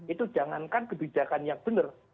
itu jangankan kebijakan yang benar